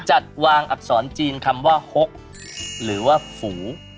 จัดวางอักษรจีนคำว่าฮกหรือว่าฝู